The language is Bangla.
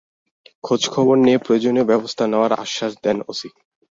খোঁজ খবর নিয়ে প্রয়োজনীয় ব্যবস্থা নেওয়ার আশ্বাস দেন ওসি।